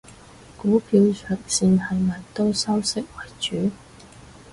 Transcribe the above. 股票長線係咪都收息為主？